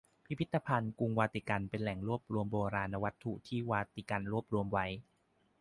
พิพิธภัณฑ์กรุงวาติกันเป็นแหล่งรวมโบราณวัตถุที่วาติกันรวบรวมไว้